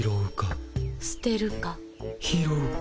拾うか。